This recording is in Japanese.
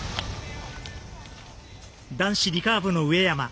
男子リカーブの上山。